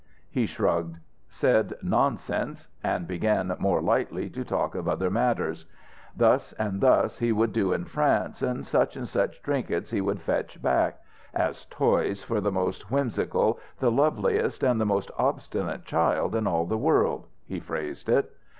He shrugged, said "Nonsense!" and began more lightly to talk of other matters. Thus and thus he would do in France, such and such trinkets he would fetch back "as toys for the most whimsical, the loveliest and the most obstinate child in all the world," he phrased it.